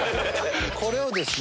これをですね